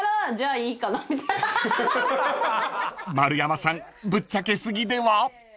［丸山さんぶっちゃけ過ぎでは？］